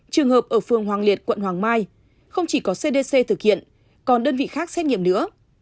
trường hợp ở phường hoàng liệt quận hoàng mai không chỉ có cdc thực hiện còn đơn vị khác xét nghiệm nữa